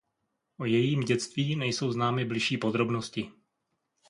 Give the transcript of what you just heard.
O jejím dětství nejsou známy bližší podrobnosti.